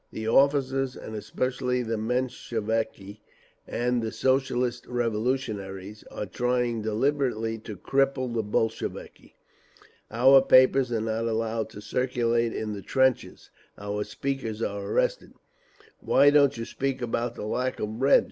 "The officers, and especially the Mensheviki and the Socialist Revolutionaries, are trying deliberately to cripple the Bolsheviki. Our papers are not allowed to circulate in the trenches. Our speakers are arrested—" "Why don't you speak about the lack of bread?"